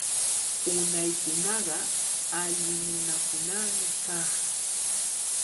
Unaykunaqa alli nunakunami kaq.